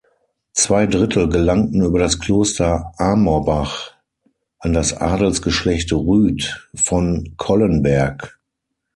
Zwei Drittel gelangten über das Kloster Amorbach an das Adelsgeschlecht Rüdt von Collenberg.